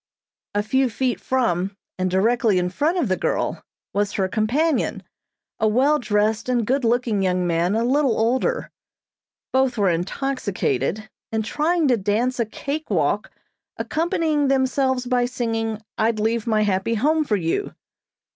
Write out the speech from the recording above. A few feet from, and directly in front of the girl, was her companion, a well dressed and good looking young man a little older. Both were intoxicated, and trying to dance a cake walk, accompanying themselves by singing, "I'd Leave my Happy Home for You."